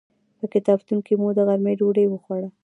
په کتابتون کې مو د غرمې ډوډۍ وخوړه.